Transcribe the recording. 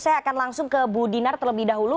saya akan langsung ke bu dinar terlebih dahulu